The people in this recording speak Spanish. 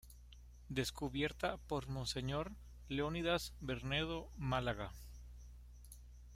Descubierta por monseñor Leonidas Bernedo Málaga.